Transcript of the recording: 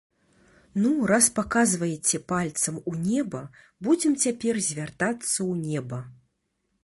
Ну, раз паказваеце пальцам у неба, будзем цяпер звяртацца ў неба.